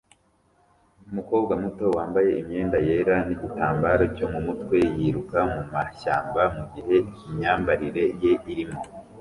Umukobwa muto wambaye imyenda yera nigitambaro cyo mumutwe yiruka mumashyamba mugihe imyambarire ye irimo kumuzenguruka